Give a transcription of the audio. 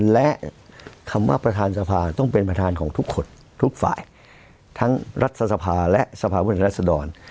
และคำว่าประธานสภาต้องเป็นประธานของทุกคนทุกฝ่ายทั้งรัฐสภาและสภาพุทธแห่งรัฐสดร